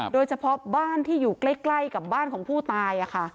โดยเฉพาะบ้านที่อยู่ใกล้กับบ้านของผู้ตาย